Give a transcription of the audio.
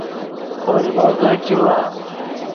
پولمغے چیوا